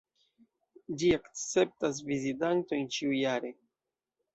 Ĝi akceptas vizitantojn ĉiujare.